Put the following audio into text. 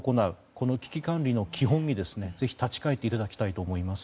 この危機管理の基本にぜひ立ち返っていただきたいと思います。